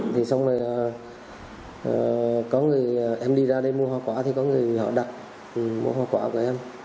thì xong rồi em đi ra đây mua hoa quả thì có người họ đặt mua hoa quả của em